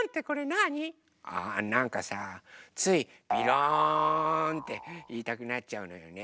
あなんかさつい「びろん」っていいたくなっちゃうのよね。